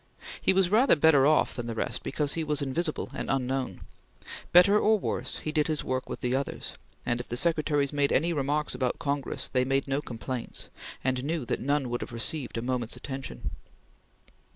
He was rather better off than the rest, because he was invisible and unknown. Better or worse, he did his work with the others, and if the secretaries made any remarks about Congress, they made no complaints, and knew that none would have received a moment's attention.